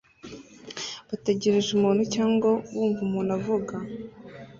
bategereje umuntu cyangwa bumva umuntu avuga